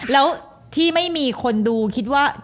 แล้วที่ไม่มีคนดูคิดว่า